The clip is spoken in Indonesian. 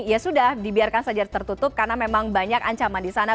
ya sudah dibiarkan saja tertutup karena memang banyak ancaman di sana